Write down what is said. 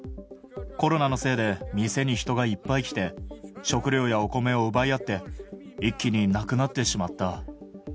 コロナのせいで店に人がいっぱい来て、食料やお米を奪い合って、一気になくなってしまった。